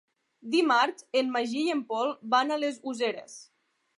Dimarts en Magí i en Pol van a les Useres.